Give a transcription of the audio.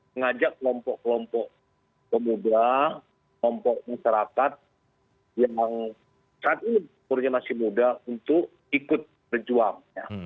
mengajak kelompok kelompok pemuda kelompok masyarakat yang saat ini umurnya masih muda untuk ikut berjuang